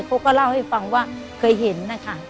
เขาก็เล่าให้ฟังว่าเคยเห็นนะคะ